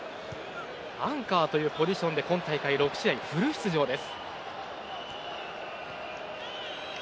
アンカーというポジションで今大会、６試合フル出場です。